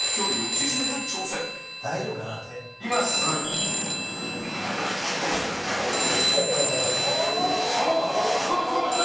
塙：すごい！